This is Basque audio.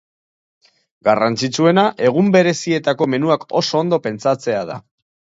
Garrantzitsuena egun berezietako menuak oso ondo pentsatzea da.